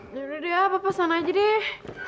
yaudah deh apa pesan aja deh